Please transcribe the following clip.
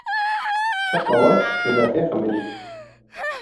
Şeqlawa bi berfê xemilî.